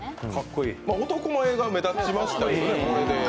男前が目立ちましたよね。